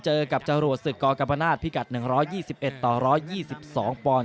เจอกับจรวดศึกกกรรมนาศพิกัด๑๒๑ต่อ๑๒๒ปอนด